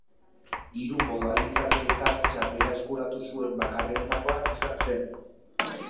Hiru modalitateetan txapela eskuratu zuen bakarrenetakoa izan zen.